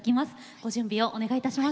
ご準備をお願いいたします。